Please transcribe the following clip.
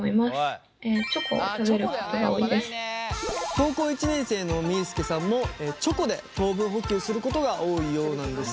高校１年生のみーすけさんもチョコで糖分補給することが多いようなんです。